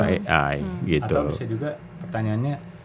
atau saya juga pertanyaannya